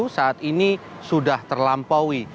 saat ini sudah terlampaui